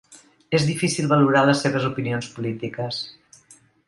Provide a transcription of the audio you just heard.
És difícil valorar les seves opinions polítiques.